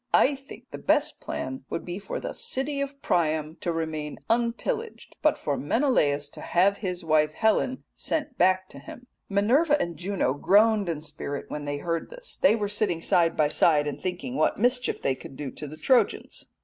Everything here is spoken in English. I think the best plan would be for the City of Priam to remain unpillaged, but for Menelaus to have his wife Helen sent back to him.' "Minerva and Juno groaned in spirit when they heard this. They were sitting side by side, and thinking what mischief they could do to the Trojans.